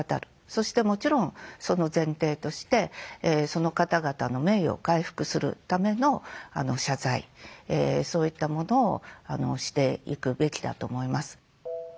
そしてもちろんその前提としてその方々の名誉を回復するための謝罪そういったものをしていくべきだと思います。